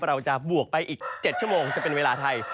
ว่าเราจะบวกไปอีก๗ชั่วโมงจะเป็นเวลาไทย